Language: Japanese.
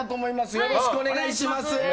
よろしくお願いします。